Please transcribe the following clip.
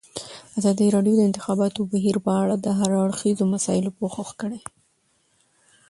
ازادي راډیو د د انتخاباتو بهیر په اړه د هر اړخیزو مسایلو پوښښ کړی.